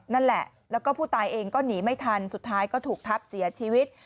นั่นแหละแล้วก็ผู้ตายเองก็หนีไม่ทันสุดท้ายก็ถูกทับเสียชีวิต